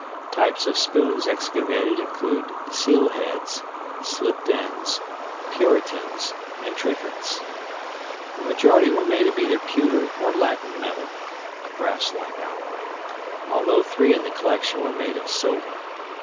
Types of spoons excavated include seal heads, slipped ends, "puritans," and trifids. The majority were made of either pewter or latten metal (a brasslike alloy), although 3 in the collection were made of silver.